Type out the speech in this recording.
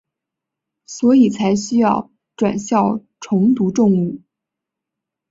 所以才需要转校重读中五。